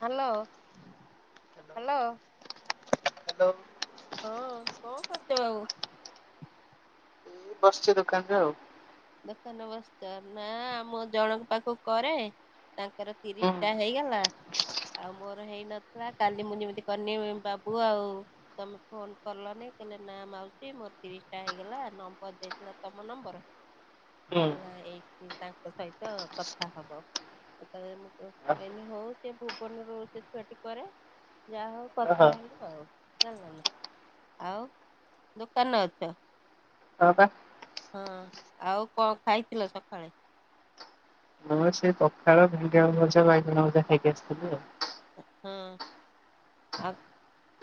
Hello hello. Hello. ହଁ କଣ କରଛ ଆଉ। ବସିଛ ଦୋକାନରେ ଆଉ। ଦୋକାନ ବସ୍ଛ ନା ଆମ ଜଣଙ୍କ ପାଖକୁ କରେ ତାଙ୍କର ହୁଁ ତିରିଶ ଟା ହେଇଗଲା ଆଉ ମୋର ହେଇନଥିଲା କାଲି ମୁଁ ଯେମିତି କନି ବାବୁ ଆଉ ତମେ ଫୋନ କଲନି କହିଲେ ନା ମଉଛି ମୋର ତିରିଶଟା ହେଇଗଲା ନମ୍ବର ଦେଇଥିଲା ତମ ନମ୍ବର। ହୁଁ ହେଲା ଏଇଠି ତାଙ୍କ ସହିତ କଥା ହବ ତା ମୁଁ ଅ ଏନ ହଉ ସେ ଭୁବନରୁ ସେ ଛୁଆଟି କରେ ଯାହା ହଉ ଅହ କଥା ହେଲ ଆଉ ଜାଣିଲ ନା ଆଉ ଦୋକାନ ଅଛ। ହପା ହଁ। ଆଉ କଣ ଖାଇଥିଲ ସକାଳେ? ଆମର ସେ ପଖାଳ ଭେଡି ଭଜା ବାଇ ମଜା ଖାଇକି ଆସିଥିଲି ଆଉ। ହଁ ଆଉ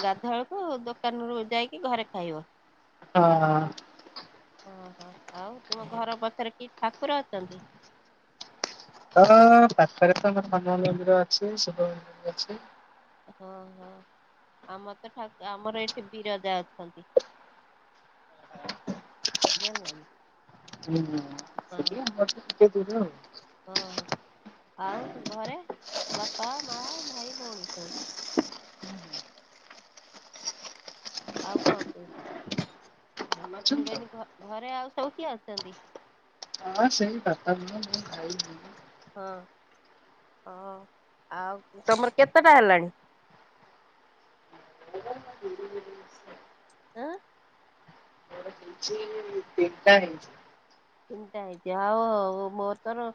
ଗାଧୁଆଳକୁ ଦୋକାନରୁୁ ଯାଇକି ଘରେ ଖାଇବ। ହଁ। ଓହୋ ଆଉ ତୁମ ଘର ପଛରେ କି ଠାକୁର ଅଛନ୍ତି? ହଁ [unintelligible] ଆମ ପାଖରେ ତ ଆମର ହନୁମାନ ମନ୍ଦିର ଅଛି ଶୁିବ ମନ୍ଦିର ବି ଅଛି। ହଁ ହଁ ଆମ ତ ଠାକୁ ଆମର ଏଠି ବିରଜା ଅଛନ୍ତି ଜାଣଲନା। ହୁଁ ହୁଁ। ସେଠି ଆମର ତ କେ ଦୂର। ଓହୋ ଆଉ ଘରେ ବାପା, ମା, ଭାଇ, ଭଉଣୀ ସବୁ। ଆଉ କଣ କହୁ। ଭଲ ମୁଁ ଅଛନ୍ତି ତ? କହିନି ଘ-ଘରେ ଆଉ ସବୁ କିଏ ଆସଚନ୍ତି? ହଁ ସେଇ କଥା ମୁଁ ମୁଁ ଖାଇଯିବି ହଁ ଅ ଆଉ ତମର କେତେଟା ହେଲାଣି? ମୋର ଆଁ ତିନଟା ହେଇଚି। ତିନଟା ହେଇଚି ଆଉ ମୋରତ ର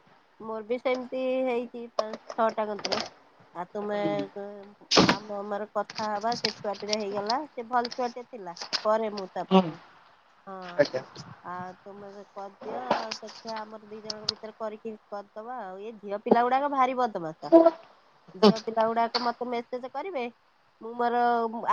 ମୋର ବି ସେମତି ହେଇଚି ପାଁ ଛଅଟା କନ୍ତର। ଆଉ ତୁମେ ହୁଁ କଏଁ ତ ଆମେ ଆମର କଥା ହବା ସେ ଛୁଆଟିର ହେଇଗଲା ସେ ଭଲ ଛୁଆଟିଏ ଥିଲା କରେ ମୁଁ ତା ହୁଁ ପାଖକୁ ହଁ ଆଜ୍ଞା। ଆଉ ତୁମ ତ କ ଦିଅ ଆଉ ଦେଖିବା ଆମର ଦି ଜଣଙ୍କ ଭିତରେ କରିକି କରଦବା ଆଉ ଏ ଝିଅପିଲାଗୁଡାକ ଭାରି ବଦମାସ ଝିଅପିଲାଗୁଡାକ ମତେ ମେସେଜେ କରିବେ ମୁଁ ମୋର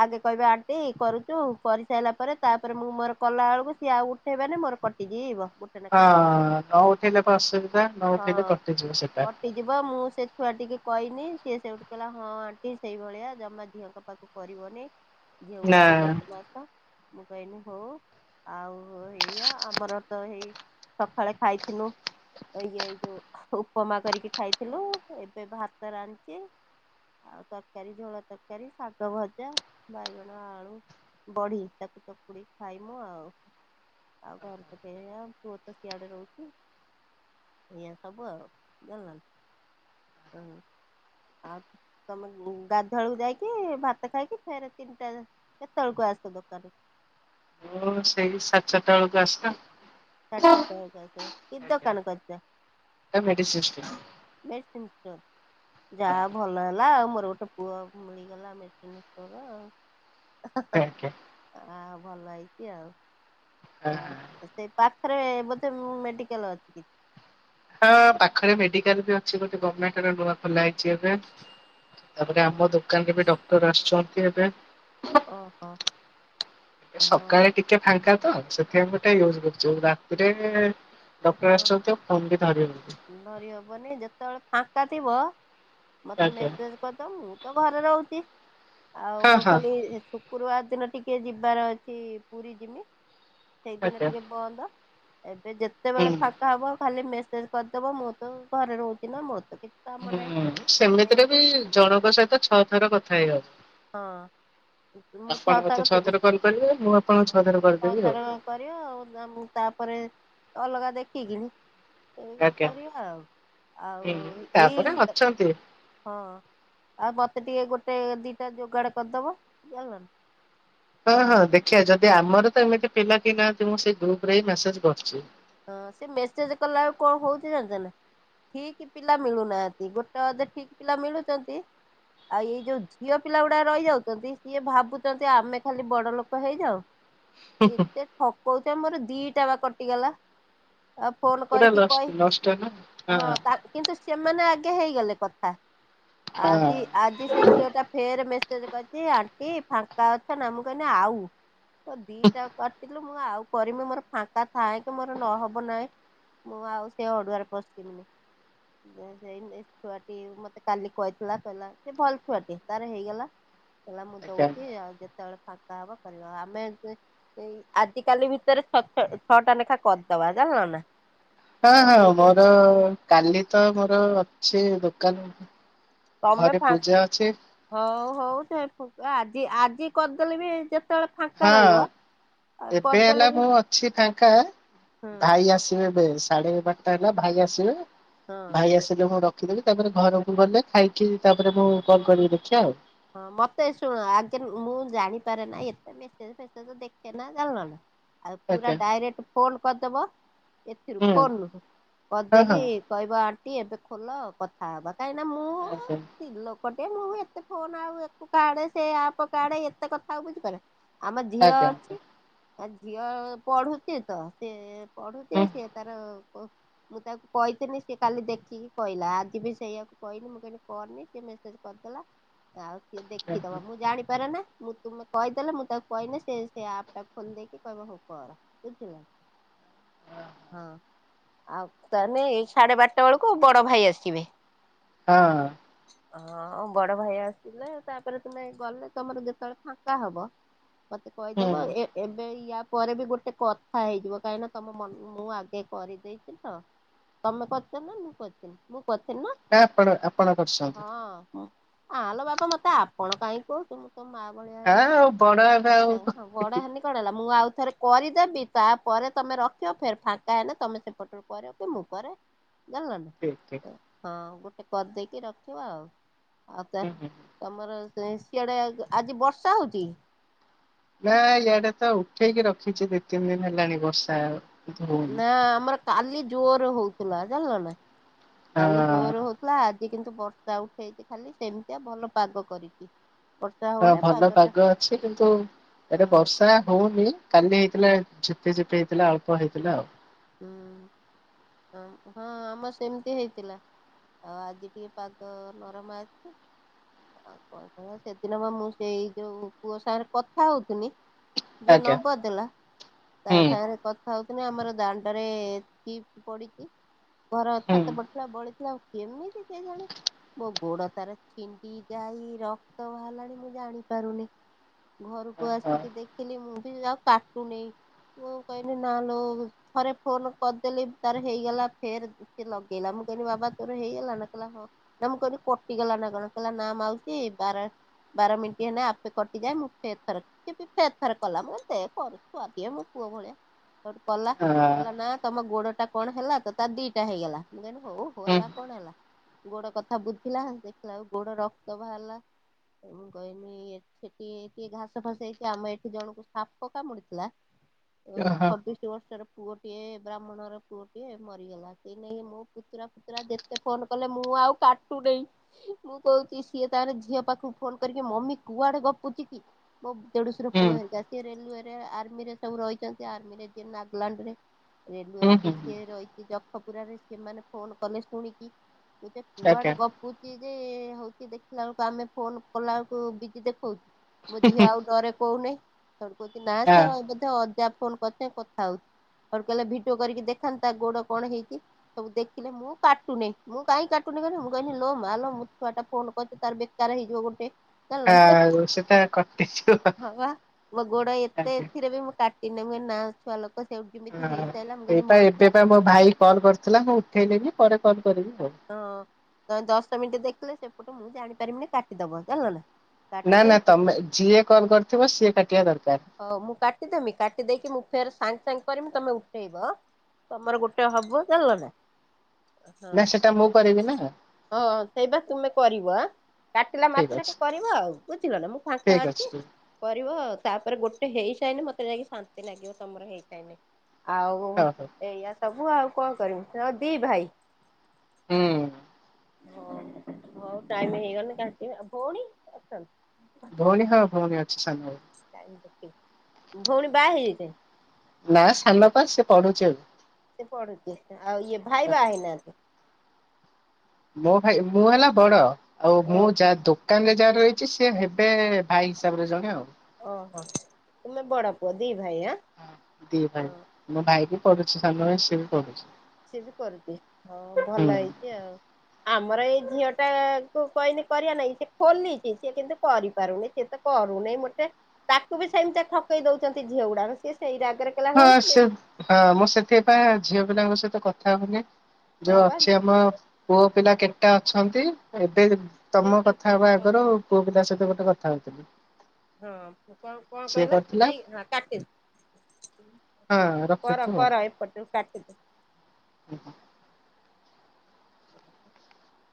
ଆଗେ କହିବେ ଆଣ୍ଟି କରୁଚୁ କରିସାଇଲା ପରେ ତାପରେ ମୁଁ ମୋର କଲାବେଳକୁ ସିଏ ଆଉ ଉଠେଇବେନ ମୋର କଟିଯିବ। ଗୋଟେ ଲେଖା ହଁ ଲସ୍ ନ ଉଠେଇଲେ ତ ଅସୁବିଧା ନଉଠେଇଲେ ହଁ। କଟିଯିବ ସେଟା। କଟିଯିବ ମୁଁ ସେ ଛୁଆ ଟିକି କହିନି ସିଏ ସେଇଠୁ କହିଲା ହଁ ଆଣ୍ଟି ସେଇଭଳିଆ ଜମା ଝିଅଙ୍କ ପାଖକୁ କରିବନେଇ। ନା ଝିଅଉଡାକ ବଦମାସ। କହିନି ହୋଉ ଆଉ ଏଇଆ ଆମର ତ ହେଇ ସଖାଳେ ଖାଇଥିନୁ ଇଏ ଏଇ ଯୋଉ ଉପମା କରିକି ଖାଇଥିଲୁ ଏବେ ଭାତ ରାନ୍ଧିଚି ଆଉ ତରକାରୀ ଝୋଳ ତରକାରୀ ଶାଗ ଭଜା ବାଇଗଣ ଆଳୁ ବଢି ତାକୁ ଚକୁଡିକି ଖାଇମୁ ଆଉ ଆଉ ଘରେ ତ କେହି ଆମ ପୁଅ ତ ସିଆଡେ ରହୁଚି ଏଇଆ ସବୁ ଆଉ ଜାଣଲ ହଁ ଆଉ ତମେ ଗାଧ୍ୱାଏଳକୁ ଯାଇକି ଭାତ ଖାଇକି ଫେର ତିନିଟା କେତବେଳକୁ ଆସ ଦୋକାନ। ମୁଁ ସେଇ ସାଢେ ଚାରଟା ବେଳକୁ ଆସେ। ସାଢେ ଚାରଟା ବେଳକୁ ଆସ କି ଆଜ୍ଞା ଦୋକାନ କରିଚ? ଏ ମେଡ଼ିସିନସ୍ ଟେ। ମେଡ଼ିସିନ୍ ଷ୍ଟୋର୍ ଯାହା ଭଲ ହେଲା ଆଉ ମୋର ଗୋଟେ ପୁଅ ମିଳିଗଲା ମେଡିସିନ୍ ଷ୍ଟୋର ଆଜ୍ଞା ଆ ଭଲ ହେଇଚି ଆଉ ହଁ ଓହୋ ସେଇ ପାଖରେ ବୋଧେ ମେଡିକାଲ ଅଛି କିଛି। ହଁ ପାଖରେ ମେଡିକାଲ ବି ଅଛି ଗୋଟେ ଗମେଣ୍ଟର ନୂଆ ଖୋଲା ହେଇଚି ଏବେ। ତାପରେ ହଁ ଆମ ଦୋକାନରେ ବି ଡକ ର ଆସଚନ୍ତି ଏବେ। ଓହୋ। ଏ ସକାଳେ ହଁ ଟିକେ ଫାଙ୍କା ତ ସେ ଆଉ ଗୋଟେ ଲୁଜ୍ ରହୁଚୁ ରାତିରେ ଡକ୍ଟର ହଁ ଆସୁଛନ୍ତି ଆଉ ଫୋନ ବି ଧରି ହଉନି ଧରିହବନି ଯେତେବେଳେ ଫା ଫାଙ୍କା ଥିବ ମତେ ଆଜ୍ଞା ମେସେଜ କରିଦବ ମୁଁ ତ ଘରେ ରହୁଚି ଆଉ ହଁ ମୁଁ ହଁ ଖାଲି ଇ ଶୁକ୍ରବାର ଦିନ ଟିକେ ଯି ବାର ଅଛି ପୁର ଜିମି। ସେଇଦିନ ଆଜ୍ଞା ଟିକେ ବନ୍ଦ ଏବେ ଦେ ହୁଁ ଯେତେବେଳେ ଫାଙ୍କା ହବ ଖାଲି ମେସେଜ କରିଦବ ମୁଁ ତ ଘରେ ରହୁଛି ନା ମୋ ହୁଁ ସେମିତିରେ ବି ଜଣଙ୍କ ସହିତ ଛଅ ଥର କଥା ଥା ହେଇ ହଁ ମୁଁ ଛ ମତେ ଥର ଛଅ କଲ୍ କରିବେ ମୁଁ ଆପଣଙ୍କୁ ହଁ ଛଅ ଥର ଛ କରିଦେବି ଆଉ ଥର କରିବ ଆଉ ମୁ ତାପରେ ଅଲଗା ଦେଖି କି ନି ଏ ଆଜ୍ଞା କରିବା ଆଉ ଆଉ ହୁଁ ଏଇ ତାପରେ ଅଛନ୍ତି। ହଁ ଆଉ ମତେ ଟିକେ ଗୋଟେ ସେ ଦି ଦିଟା ଜୋଗାଡ କରିଦେବ ନା କଣ? ହଁ ହଁ ଦେଖିିବା ଯଦି ଆମର ତ ଏମିତି ପିଲା କେହି ନାହାନ୍ତି ମୁଁ ସେ ଗ୍ରୁପରେ ମେସେଜ କରିଛି। ଜାଣିଚନା ଠିକ୍ ପିଲା ମିଳୁନାହାନ୍ତି ଗୋଟେ ଅଧେ ଠିକ୍ ପିଲା ମିଳୁଛନ୍ତି ଆଉ ଏଇ ଯୋଉ ଝିଅ ପିଲା ଗୁଡା ରହିଯାଉଛନ୍ତି ସିଏ ଭାବୁଛନ୍ତି ଆମେ ଖାଲି ବଡ ଲୋକ ହେଇଯାଉ ଏତେ ଠ କହୁଚ ମୋର ଦିଟା ବା କଟିଗଲା। ଆଉ ଫୋନ ପୁରା କରିକି ଲଷ୍ଟ କହି ଲଷ୍ଟ ନା ହଁ ତା କିନ୍ତୁ ସେମାନେ ଆ କେ ହେଇଗଲେ କଥା। ହଁ ଆଜି ଆଜି ସେଝିଅଟା ଫେର୍ ମେସ୍ କହିଛି ଆଣ୍ଟି ଫାଙ୍କା ଅଛ ନା ମୁଁ କହିନି ଆଉ। ମୋ ଦିଟାଙ୍କ କାଟି ଇଲ ମୁଁ ଆଉ କରିମି ମୋର ଫାଙ୍କ ଥାଏ। ତୁ ମୋର ନହବ ନାହିଁ ମୁଁ ଆଉ ସେ ଅଡୁଆରେ ପଶିବିନି ଛୁଆଟି ମତେ କାଲି କହିଥିଲା କହିଲା ସେ ଭଲ ଛୁଆଟି ତାର ହେଇଗଲା କହିଲା ମୁଁ ଆଜ୍ଞା। ଦଉଛି ଆଉ ଯେତେବେଳେ ଫାଙ୍କା ହବ କରିବା ଆମେ ଆଜି ଏଇ ଆଜି କାଲି ଭିତରେ ଛ ଛ ଛଅଟା ଲେଖା କରଦବା ଜାଲ ନା। ହଁ ହଁ କରିଦେଇକି ମୋର କାଲି ତ ମୋର ସେ ଦୋକାନ ତମେ ଘରେ ଫାଁ ପୂଜା ଅଛି ହଉ ହଉ ସେ ଆଜି ଆଜି କରିଦେଲେ ବି ଯେତ୍ ହଁ ଏବେ ହେଲା କରିଦେଲେ ବି ମୁଁ ଅଛି ଫାଙ୍କା ହଁ ଭାଇ ଆସିବେ ବେଶ୍। ସାଢେ ବାରଟା ହେଲା ଭାଇ ଆସିବେ। ହଁ ଭାଇ ଆସିଲେ ମୁଁ ରଖ୍ ଖିଦେଲି ତାପରେ ଘରକୁ ଗଲେ ଖାଇକି ତା ହଁ ହଁ ମତେ ଶୁଣ ଆଗେ ମୁଁ ଜାଣିି ପାରେନା ଏତେ ମେସେଜ ଫେସେଜ ଦେଖେନା ଜାଲନା ଆଉ ପୁରା ଆଜ୍ଞା ଡାଇରେକ୍ଟ ଫୋନ କରିଦବ ଏଥିରୁ ହୁଁ ଫୋନରୁ ହଁ କଦେଇକି ହଁ କହିବ ଆ ଟି ଏବେ ଖୋଲ କଥାହବା। କାହିଁକିନା ଆଜ୍ଞା ମୁଁତିଲ ପଟେ ମୁଁ ଏତେ ଫୋନ ଆଉ ଏକୁ କାଡେ ସେଆପ କାଡେ ଏତେ କଥା ଆଉ ବୁଝିପାରେନି। ଆମ ଝିଅ ଆଜ୍ଞା। ଅଛି। ଆଝିଅ ପଢୁଛି ତ ସେ ହୁଁ ପଢୁଥିବ ସିଏ ହୁଁ ତାର। ଓ ମୁଁ ତାକୁ କହିଥିଲିନି ସେିଏ କାଲି ଦେଖିକି କହିଲା ଆଜି ବି ସେଇଆକୁ କହିଲି ମୁଁ କହିଲି କରିନି ସ ମେସେଜ [unintelligible] ଦେଖିଦବ ହୁଁ ମୁଁ ଜାଣିପାରେ ନା ମୁଁ ତୁମେ କହିଦେଲେ ମୁଁ ତାକୁ କହିହିଲି ସେ ସେ ଆପ୍ ଟା ଖୋଲି ଦେଇକି କହିବ ହଁ କର ବୁଝିଲା ହଁ ଆଉ ତାହେଲେ ସାଢେ ବାରଟା ବେଳକୁ ବଡ ଭାଇ ଆସିବେ ହଁ। ହଁ ବଡ ଭାଇ ଆସିଲଥିଲେ ତାପରେ ତମେ ଗଲେ ତମର ଯେତେବେଳେ ଫାଙ୍କା ହବ। ମତେ ହୁଁ କହିଦବ ଏ ଏବେ ୟା ତା ପରେ ବି ଗୋଟେ କଥା ହେଇଯିବ କାହିଁକି ନା ତମ ମନ ମୁଁ ଆଗେ କରିଦେଇଛି ତ ତମେ କରିଛ ନା ମୁଁ କହିଥିଲି ମୁଁ କରିଥିଲି ନା ଆପଣ ଆପଣ କରୁଛନ୍ତି। ହଁ ଆଲୋ ବାପା ମତେ ଆପଣ କାହିଁ କୁହୁ ତୁମ ତୋ ମା ହଁ ଆଉ ବଡ ହେବେ ଆଉ ହୁଁ ଭଳିଆମଁ ବଡ ହେନି କଣ ହେଲା ମୁଁ ଆଉ ଥରେ କରିଦେବି ତାପରେ ତମେ ରଖିବ ଫେର ଫାଙ୍କା ହେଲେ ତମେ ସେପଟରୁ କର କି ମୁଁ କରେ ଜଲ ହଁ। ଟ କରିଦେଇକି ରଖିବା ଆଉ। ଆଉ ତା ହୁଁ। ତମର ସିଆଡେ ଆଜି ବର୍ଷା ହଉଚ ନା ଇାଡେ ତ ଉଠେଇକି ରଖିଛି ଦି ତିନି ଦିନ ହେଲାଣି ବର୍ଷା ଆଉ ନା ଆମର କାଲି ଜୋର ହଉଛି। ଲ ଚାଲିଲ ନା କାଲି ହଁ ଜୋର ହେଥିଲା। କିନ୍ତୁ ବର୍ଷା ଉଠେଇଛି ଖାଲି ସେମିତିଆଉ ଭଲ ପାଗ କରଛିି। ହଁ ଭଲ ପାଗ ଅଛି କିନ୍ତୁ ହଁ ଏବେ ବର୍ଷା ହଉନି କାଲି ହେଇଥିଲା। ଝପେ ଝିପି ହେଇଥିଲା ଅଳ୍ପ ହେଇଥିଲା ଆଉ ହୁଁ ହଁ ଆମ ସେମିତି ହେଇଥିଲା ଆଉ ଆଜି ଟିକେ ପଦ ନରମ ଅଛି ଆଉ କ ସେଦିନ ବା ମୁଁ ସେଇ ଯୋଉ ପୁଅ ସାଙ୍ଗରେ କଥା ହଉଥିନି। ଯିଏ ଆଜ୍ଞା ନବ ଦେଲା ତା ହୁଁ ସାଙ୍ଗରେ କଥା ହ ଆମର ଦାଣ୍ଡ ନରେ ପଡ଼ିଛି ଘର ହୁଁ ଅଛ ତ ବଟା ବଳେ ଆଉ କେମିତି ସେ ଜାଣେ ମୋ ଗୋଡ ତାର ଛିଣ୍ଡି ଯାଇ ରକ୍ତ ବାହାରିଲାଣି ମୁଁ ଜାଣି ପାରୁନି ଘରକୁ ହଁ ଆସିକି ଦେଖିଲି ମୁଁ ବି ଆଉ କାଟୁନି ମୁଁ କହିଲି ନା ଲ ଥରେ ଫୋନ କରିଦେଲି ତାର ହେଇଗଲା ଫେର ସଏ ଲଗେଇଲା ମୁଁ କହିଲି ବାବା ତୋର ହେଇଗଲା ନା କହିଲା ହଁ ନା ମୁଁ କହିଲି କଟିଗଲା ନା କଣ କହିଲ ନା ମାଉଛି ବାର ବାର ମିନିଟ୍ ହେଲେ ଆପେ କଟିଯାଏ ମୁଁ ଫେର ଫଥର ଫେର ଫଥର କଲା ମୁଁଛୁଆ ଦିଅ ମୋ ପୁଅ ଭଳିଆ କଲା। କହିଲା ନା ହଁ। ତମ ଗୋଡ ଟା କଣ ହେଲା ତ ତା ଦିଟା ହେଇଗଲା ମୁଁ କହିଲି ହଉ ହୁଁ ହେଲା କଣ ହେଲା ଗୋଡ କଥା ବୁଝିଲା ଦେଖିଲା ଆଉ ଗୋଡ ରକ୍ତ ବାହାରିଲା ମୁଁ କହିଲି ସେଠ ଟିକେ ଘାସ ଫାସ ହେଇକି ଆମ ଏଠି ଜଣଙ୍କୁ ସାପ କାମୁଡିଥିଲା। ଓ ଓହୋ ପଦ୍ଶ ବର୍ଷର ପୁଅଏ ବ୍ରାହ୍ମଣର ପୁଅ ଟଏ ମରିଗଲା ସେଇ ନେଇ ମୋ ପୁତୁରା ଫୁତୁରା ଯେତେ ଫୋନ କଲେ ମୁଁ ଆଉ କାଟୁନ ମୁଁ କହୁଛି ସିଏ ତାହେଲେ ଝିଅ ପାଖକୁ ଫୋନ କରିକି ମମି କୁଆଡେ ଗପୁଛି କି ମୋ ତେଡୁଶୀ ର ହୁଁ ପୁଅ ହେତା ସିଏ ରେଲରେ ଆର୍ମି ରେ ସବୁ ରହିଛନ୍ତି ଆର୍ମିରେ ଲଣ୍ଡନି। ହୁଁ ରେଲୱେରେ ଯେଏ ହୁଁ କିଏ ରହିଛି। କୁ ରେ ସେମାନେ ଫୋନ କଲେ ଶୁଣିକି ମୁତେ କୁଆଡେ ଆଜ୍ଞା ଗପୁଛି ଯେ। ହଉଛି ଦେଖିଲା ବେଳକୁ ଆମେ ଫୋ କଲା ବେଳକୁ ବି ଦେଖଉଛୁ। ମୁଁ ଝିଅ ଆଉ ଡରେ କହୁନି। ଥ କହୁଛି ନାଁ ସେ ବ ଅଯାପ କଣ କର। ଖାଉ କହିଲେ ଭିଡିଓ କରିକି ଦେଖାନ୍ତତା ଗୋଡ କଣ ହେଇଛି ସବୁ ଦେଖିଲେ ମୁଁ କାଟୁନି ମୁଁ କାହିଁ କାଟୁନି କହିଲ ମୁଁ କି ଲୋ ମା ଲ ମୋ ଛୁଆ ଟା ଫୋନ କରିଚ ତାର ବେକାର ହେଇଯିବ ଗୋଟେ। ହଁ ହଁ ହଁ ସେଟା କଟିଯିବ ମ ଗୋଡ ଏତେ ଆଜ୍ଞା। ଏଥିରେ ବି ମୁଁ କାଟି ନେମି ନା। ଭଲ। ହ ଏଇଟ ଏବେ ମୋ ଭାଇ କଲ୍ କରିୁଥିଲା ମୁଁ ଉଠେଇଲିନି ପରେ କଲ ହଁ ତମେ ଦଶଟା ମିନିଟ ଦେଖିଲେ ସେ ଗୋଟେ ମୁ ଜାଣିପାରିିନି କାଟିଦବ ଜାଲ ନା। କାଟି ନା ନା ଦେଇକି ତମେ ଯିଏ କଲ କରିଥିବ ସିଏ କାଟିବା ଦରକାର। ହଉ ତାଙ୍କ ପମି ତମେ ଉଠେଇବ ତମର ଗୋଟେ ହବ ଜଣିଲ ନା। ହଁ। ନା ସେଟା ମୁ ହଁ ସେଇ ବା ତୁମେ କ ଆିବା। କାଟିଲା ଠିକ୍ ଅଛି ମାତ୍ରକ କରିବ ଆଉ ବୁଝିିଲ ନା ମୁଁ ଫାଙ୍କା ଠିକ୍ ଅଛି ଠିକ୍ କରିବ ଆଉ। ତାପରେ ଗୋଟେ ହେଇସାଇନି ମତେ ଯାଇକି ଶାନ୍ତି ଲାଗିବ ତମର ହେଇସାଇନି। ଆଉ ହଉ ହଉ ଏଇଆ ସବୁ ଆଉ। କଣ କରିବି ହ ଦି ଭାଇ। ହୁଁ। ହଁ ହଉ ଟାଇମ ହେଇଗଲେ କା ଆଉ ଭଉଣୀ ଅଛନ୍ତି। ଭଉଣୀ ହଁ ଭଉଣୀ ଅ। ସାଙ୍ଗ। ଟାଇମ୍ ଭଉଣୀ ବାହା ହେଇଯାଇଥାେ। ନା ସାନପ ସେ ପଢୁଛି ଏବେ। ସେ ପଢୁଛି ଆଉ ଇଏ ଭାଇ ବା ହେଇନାହାନ୍ତି। ମୋ ଭାଇ ମୁଁ ହେଲା ବଡ। ଆଉ ଓ ମୁଁ ଯାହା ଦୁ ଦୋକାନ ରେ ଯାହା ରହିଛି ସିଏ ହେବେ ଭାଇ ହିସାବରେ ଜଣେ ଆଉ। ଓହୋ ତୁମେ ବଡ ପୁଅ ଦି ଭାଇ ଆଁ ହ ଦି ଭାଇ ହଁ। ମୁଁ ଭାଇ ମୋର ସାନ ଭାଇ ସିଏ ବି ପଢୁଛି। ସିଏବି କେରିବେ ହଉ ହଁ ହୁଁ। ଭଲ ହେଇଛି ଆଉ ଆମର ଏଇ ଝିଅ ଟା କୁ କହିନି କରିବା ନାଇଁ ସେ ଖୋଲିଛି ସିଏ କିନ୍ତୁ କରିପାରୁନି ସିଏ ତ କରୁନି ମୋଟେ ତାକୁ ବି ସେମିତିଆ ଠକେଇ ଦଉଛନ୍ତି ଝିଅ ଗୁଡାକ ସିଏ ସେଇ କହିଲା ହଁ ହୋସ୍ ବେ ସେ ହଁ ମୁଁ ସେଥିପାଇଁ ଝିଅ ପିଲାଙ୍କ ସ କଥାହବୁନି ଯୋଉ ହଁ ବା ଅଛିଆମ ପୁଅ ପିଲା କେତେଟା ଅଛନ୍ତି ଏବେ [unintelligible] ତମ ହଁ କଥା ହବା ଆଗରୁ ପୁଅ ପିଲା ସହିତ ଗୋଟେ କଥା ହଉଥିଲି। କଣ କଣ ସିଏ କହିଲା କରିଥିଲା ଏଇ ହଁ କାଟି ହଁ କର ରଖିଛୁ କର ଆଉ। ଏପଟ କାଟିଦେ [unintelligible]